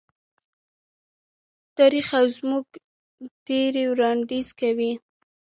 تاریخ او زموږ تیوري وړاندیز کوي.